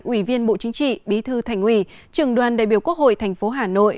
ủy viên bộ chính trị bí thư thành ủy trường đoàn đại biểu quốc hội tp hà nội